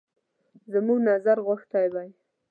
زموږ نظر غوښتی وای.